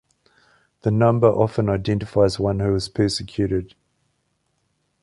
The number often identifies one who is persecuted.